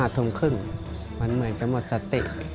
ทุ่มครึ่งมันเหมือนจะหมดสติ